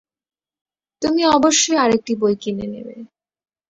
তুমি অবশ্যই আরেকটি বই কিনে নেবে।